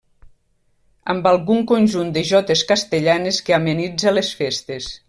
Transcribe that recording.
Amb algun conjunt de jotes castellanes que amenitza les festes.